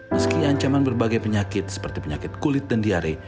meski ancaman berbagai penyakit seperti penyakit kulit dan diare